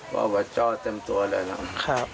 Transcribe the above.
พอเจาะเต็มตัวเลยครับ